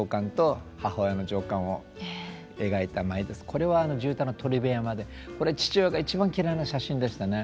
これは地唄の「鳥辺山」でこれ父親が一番嫌いな写真でしたね。